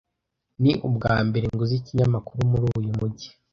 Ni ubwambere nguze ikinyamakuru muri uyu mujyi.